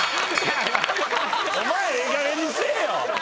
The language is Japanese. お前いいかげんにせぇよ！